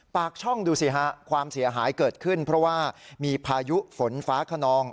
ปากช่องดูสิฮะความเสียหายเกิดขึ้นเพราะว่ามีพายุฝนฟ้าขนอง